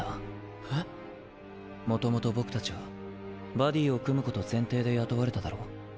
もともと僕たちはバディを組むこと前提で雇われただろ。